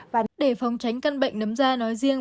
và để phòng tránh căn bệnh nấm da nói riêng